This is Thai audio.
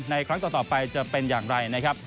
ครั้งต่อไปจะเป็นอย่างไรนะครับ